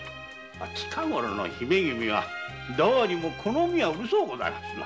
近ごろの姫君はどうにも好みがうるそうございますな。